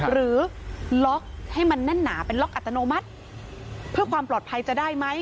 หรือล็อกให้มันแน่นหนาเป็นล็อกอัตโนมัติเพื่อความปลอดภัยจะได้ไหม